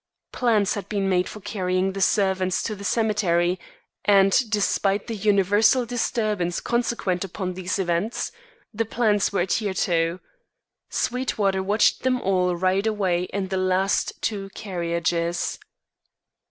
Plans had been made for carrying the servants to the cemetery, and, despite the universal disturbance consequent upon these events, these plans were adhered to. Sweetwater watched them all ride away in the last two carriages.